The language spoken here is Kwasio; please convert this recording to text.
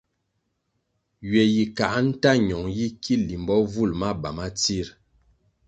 Ywe yi kā nta ñong yi ki limbo vul maba ma tsir?